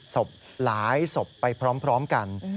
ศพหลายศพไปพร้อมกัน